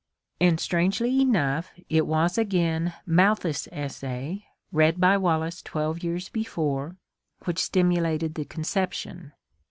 And strangely enough, it was again Malthus* essay, read by Wallace twelve years before, which stimulated the conception.